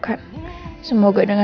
aku dunyimu aja dong ya